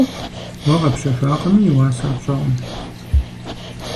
Уэ къэпщэхуакъыми, и уасэр пщӀэркъым.